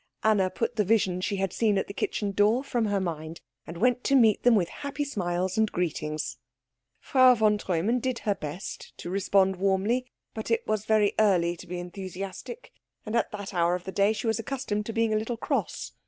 Anna put the vision she had seen at the kitchen door from her mind, and went to meet them with happy smiles and greetings. Frau von Treumann did her best to respond warmly, but it was very early to be enthusiastic, and at that hour of the day she was accustomed to being a little cross.